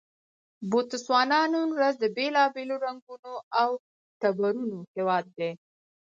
بوتسوانا نن ورځ د بېلابېلو رنګونو او ټبرونو هېواد دی.